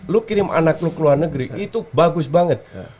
lu kirim anak lo ke luar negeri itu bagus banget